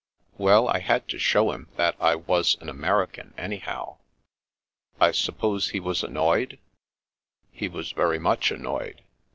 Wdl, I had to show him that I was an American, anyhow." " I suppose he was annoyed." " He was very much annoyed.